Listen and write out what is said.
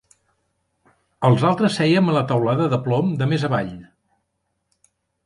Els altres sèiem a la teulada de plom de més avall